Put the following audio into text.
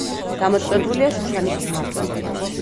დამოწმებულია „შუშანიკის მარტვილობაში“.